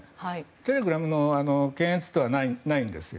テレグラムの検閲はないんですよ。